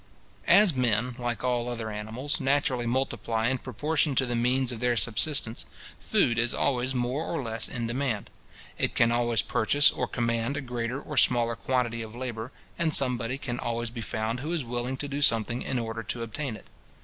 As men, like all other animals, naturally multiply in proportion to the means of their subsistence, food is always more or less in demand. It can always purchase or command a greater or smaller quantity of labour, and somebody can always be found who is willing to do something in order to obtain it.